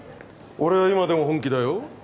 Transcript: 俺は今でも本気だよ